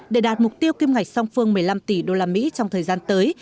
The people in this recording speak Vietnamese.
để đạt mục tiêu kim ngạch song phương một mươi năm tỷ usd trong thời gian tới